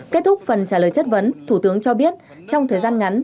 kết thúc phần trả lời chất vấn thủ tướng cho biết trong thời gian ngắn